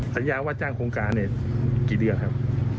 สัญญาว่าจ้างโครงการเนี่ยกี่เดือนครับ